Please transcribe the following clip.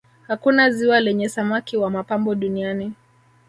hakuna ziwa lenye samaki wa mapambo duniani